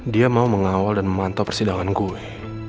dia mau mengawal dan memantau persidangan kue